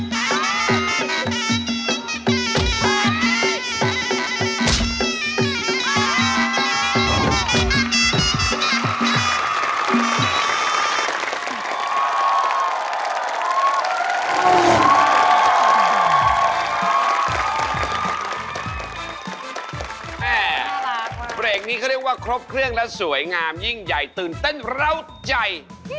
เป็นระบำแล้วก็แถมยังมีบทกรณ์ของโนลาแทรกเข้าไปด้วย